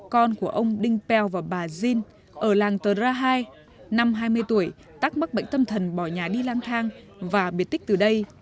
con của ông đinh peo và bà jin ở làng tờ rá hai năm hai mươi tuổi tắc mắc bệnh tâm thần bỏ nhà đi lan thang và biệt tích từ đây